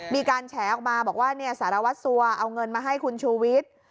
มีการแฉออกมาบอกว่าสารวัตรสัวเอาเงินมาให้คุณชูวิทย์